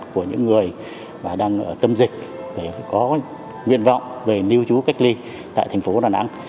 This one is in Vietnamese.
của những người đang ở tâm dịch để có nguyện vọng về lưu trú cách ly tại thành phố đà nẵng